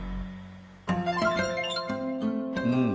うん。